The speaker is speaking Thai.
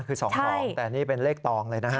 คือ๒ตองแต่นี่เป็นเลขตองเลยนะฮะ